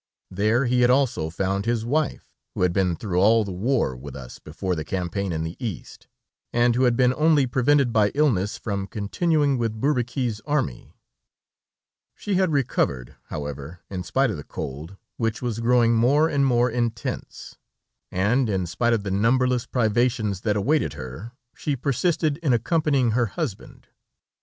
There he had also found his wife, who had been through all the war with us before the campaign in the East, and who had been only prevented by illness from continuing with Bourbaki's army. She had recovered, however, in spite of the cold, which was growing more and more intense, and in spite of the numberless privations that awaited her, she persisted in accompanying her husband.